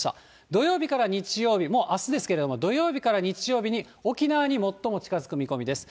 土曜日から日曜日、もうあすですけれども、土曜日から日曜日に沖縄に最も近づく見込みです。